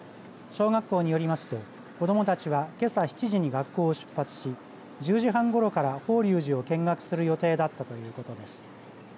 小学校によりますと子どもたちはけさ７時に学校を出発し１０時半ごろから法隆寺を見学する予定だったということです。